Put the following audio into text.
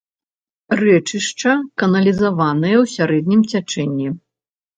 Рэчышча каналізаванае ў сярэднім цячэнні.